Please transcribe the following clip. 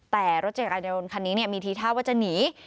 แต่รถจักรยานยนต์คันนี้มีทีท่าว่าจะหนี